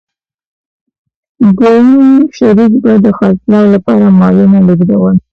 دویم شریک به د خرڅلاو لپاره مالونه لېږدول